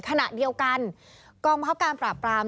ขณะเดียวกันกองบังคับการปราบปราม